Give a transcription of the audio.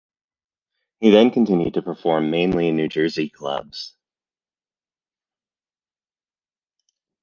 He then continued to perform mainly in New Jersey clubs.